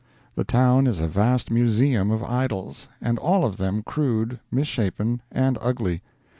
The town is a vast museum of idols and all of them crude, misshapen, and ugly.